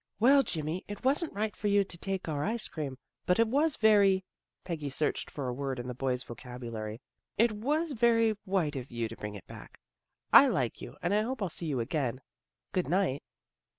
" Well, Jimmy, it wasn't right for you to take our ice cream, but it was very ' Peggy searched for a word in the boy's vocabulary " It was very white of you to bring it back. I like you and I hope I'll see you again. Good night."